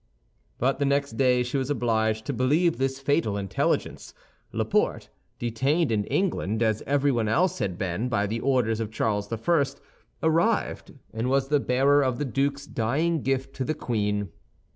But the next day she was obliged to believe this fatal intelligence; Laporte, detained in England, as everyone else had been, by the orders of Charles I., arrived, and was the bearer of the duke's dying gift to the queen.